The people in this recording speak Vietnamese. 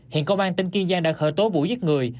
hiện công an tỉnh kiên giang đã khởi tố vụ giết người